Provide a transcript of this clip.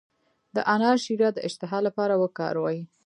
د انار شیره د اشتها لپاره وکاروئ